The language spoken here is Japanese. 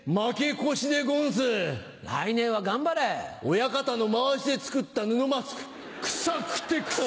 親方のまわしで作った布マスク臭くて臭くて。